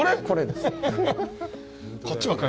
これです。